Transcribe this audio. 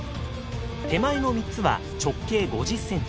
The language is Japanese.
手前の３つは直径５０センチ。